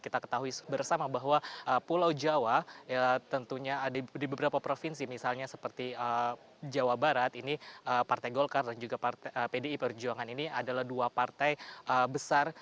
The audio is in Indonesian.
kita ketahui bersama bahwa pulau jawa tentunya di beberapa provinsi misalnya seperti jawa barat ini partai golkar dan juga pdi perjuangan ini adalah dua partai besar